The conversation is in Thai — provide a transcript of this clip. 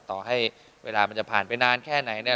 ต่อให้เวลามันจะผ่านไปนานแค่ไหนเนี่ย